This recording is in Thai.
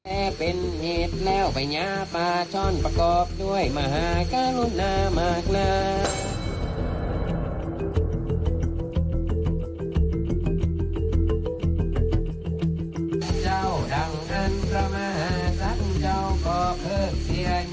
อันนี้มันก้าวกรรมแล้วออกจากคุณศมออกมาโทบัติ